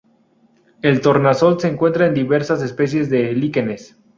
El tornasol se encuentra en diversas especies de líquenes.